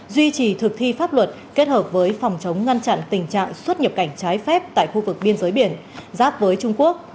duy trì thực thi pháp luật kết hợp với phòng chống ngăn chặn tình trạng xuất nhập cảnh trái phép tại khu vực biên giới biển giáp với trung quốc